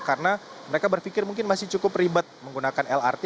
karena mereka berpikir mungkin masih cukup ribet menggunakan lrt